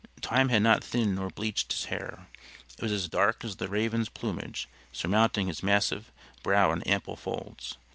Time had not thinned nor bleached his hair; it was as dark as the raven's plumage, surmounting his massive brow in ample folds.